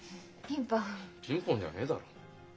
「ピンポン」じゃねえだろ。